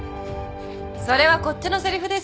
それはこっちのせりふですよ。